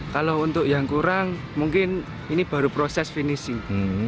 kalau untuk yang kurang mungkin ini baru proses finishing